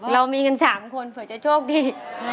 เรามีกัน๓คนเผื่อจะโชคดี